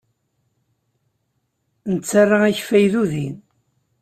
Nettarra akeffay d udi.